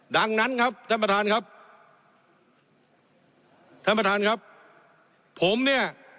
ดังนั้นครับท่านประธานครับท่านประธานครับผมเนี่ย